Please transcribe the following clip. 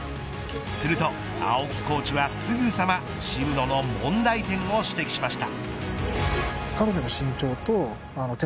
すると、青木コーチはすぐさま渋野の問題点を指摘しました。